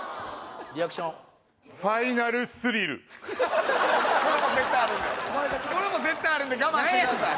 ・リアクションこれも絶対あるんでこれも絶対あるんで我慢してください